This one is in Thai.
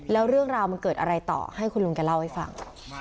แล้วเรื่องราวมันเกิดอะไรต่อให้คุณลุงแกเล่าให้ฟัง